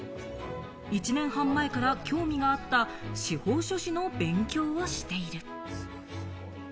１年半前から興味があった司法書士の勉強をしている。